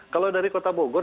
kalau dari kota bogor